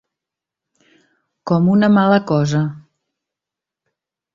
Com una mala cosa.